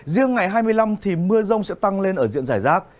riêng ngày hai mươi năm thì mưa rông sẽ tăng lên ở diện giải rác